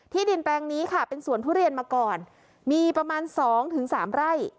ดินแปลงนี้ค่ะเป็นสวนทุเรียนมาก่อนมีประมาณสองถึงสามไร่